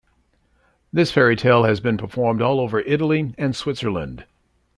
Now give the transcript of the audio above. This fairytale has been performed all over Italy and Switzerland.